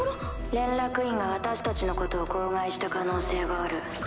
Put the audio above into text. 連絡員が私たちのことを口外した可能性がある。